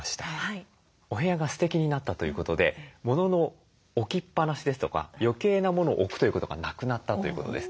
お部屋がステキになったということでものの置きっぱなしですとか余計なものを置くということがなくなったということです。